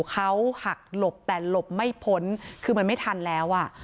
เขาหักหลบแต่หลบไม่พ้นคือมันไม่ทันแล้วอ่ะ